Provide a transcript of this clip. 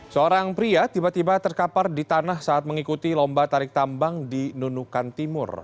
seorang pria tiba tiba terkapar di tanah saat mengikuti lomba tarik tambang di nunukan timur